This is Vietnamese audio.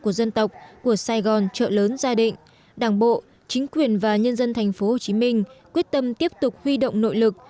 của dân tộc của sài gòn trợ lớn gia đình đảng bộ chính quyền và nhân dân tp hcm quyết tâm tiếp tục huy động nội lực